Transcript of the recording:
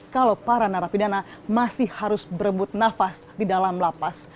kalau para narapidana masih harus berebut nafas di dalam lapas